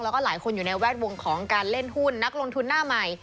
แล้วก็หลายคนอยู่ในแวดวงของการเล่นหุ้นนักลงทุนหน้าใหม่